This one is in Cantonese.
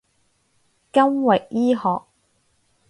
金域醫學